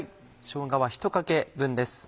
しょうがはひとかけ分です。